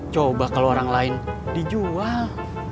coba kalau orang lain dijual